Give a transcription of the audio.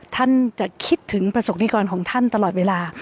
ท่านจะคิดถึงประสบนิกรของท่านตลอดเวลา